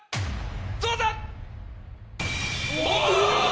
⁉どうだ⁉